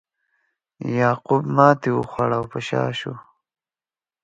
یعقوب ماتې وخوړه او په شا شو.